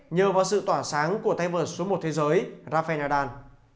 nhờ vào sự tỏa sáng của tay vợt số một thế giới rafael nadal